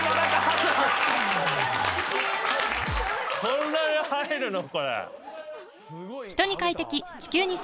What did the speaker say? こんなに入るの？